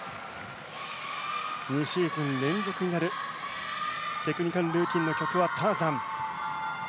２シーズン連続となるテクニカルルーティンの曲は「ターザン」。